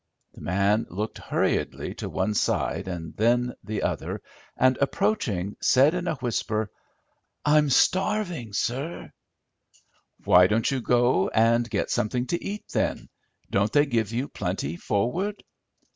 The man looked hurriedly to one side and then the other and, approaching, said in a whisper, "I'm starving, sir!" "Why don't you go and get something to eat, then? Don't they give you plenty forward?"